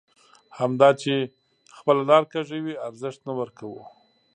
همدا چې خپله لاره کږوي ارزښت نه ورکوو.